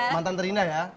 matang terindah ya